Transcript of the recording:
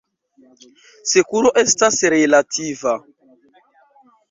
Sekuro estas relativa.